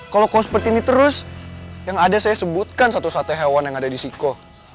kalau kau seperti ini terus yang ada saya sebutkan satu sate hewan yang ada di siko